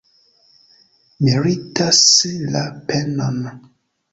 Meritas la penon!